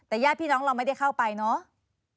แต่ญาติพี่น้องเราไม่ได้เข้าไปเนาะ